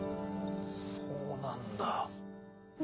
そうなんだ。